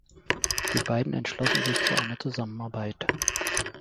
Die beiden entschlossen sich zu einer Zusammenarbeit.